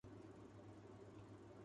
اعلان میچ سے قبل ہی کیا جائے گا